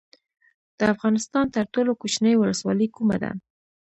د افغانستان تر ټولو کوچنۍ ولسوالۍ کومه ده؟